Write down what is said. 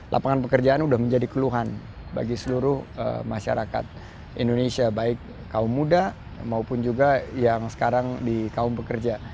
lapangan pekerjaan sudah menjadi keluhan bagi seluruh masyarakat indonesia baik kaum muda maupun juga yang sekarang di kaum pekerja